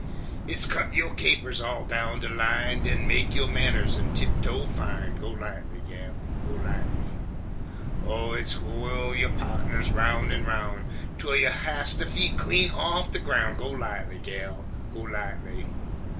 Hit's cut yo' capers all down de line, Den mek yo' manners an' tiptoe fine, Go lightly, gal, go lightly! Oh, hit's whu'll yo' pardners roun' an' roun', Twel you hyst dey feet clean off de groun', Go lightly, gal, go lightly!